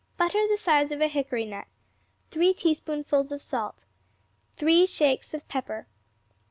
Butter the size of a hickory nut. 3 teaspoonfuls salt. 3 shakes of pepper.